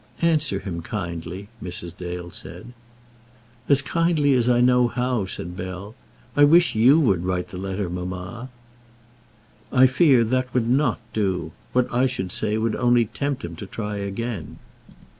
"Answer him kindly," Mrs. Dale said. "As kindly as I know how," said Bell. "I wish you would write the letter, mamma." "I fear that would not do. What I should say would only tempt him to try again."